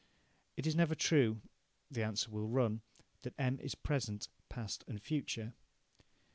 It is never true, the answer will run, that M is present, past and future.